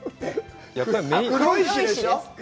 黒石でしょう？